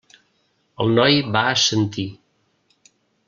El noi va assentir.